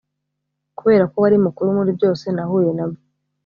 kuberako wari mukuru muri byose nahuye nabyo